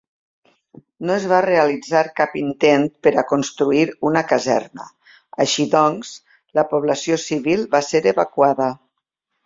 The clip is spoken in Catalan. No es va realitzar cap intent per a construir una caserna, així doncs, la població civil va ser evacuada.